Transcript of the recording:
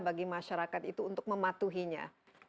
bagi masyarakat itu untuk mematuhinya